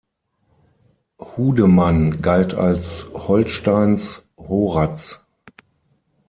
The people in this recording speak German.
Hudemann galt als Holsteins Horaz.